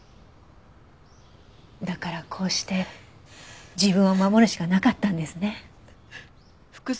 だからこうして自分を守るしかなかったんですね。